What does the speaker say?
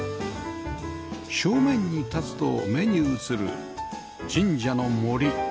正面に立つと目に映る神社の森